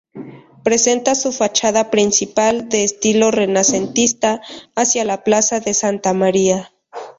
Presenta su fachada principal, de estilo renacentista, hacia la plaza de Santa María.